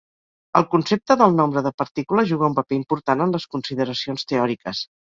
El concepte del nombre de partícules juga un paper important en les consideracions teòriques.